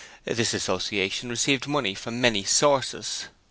This association received money from many sources.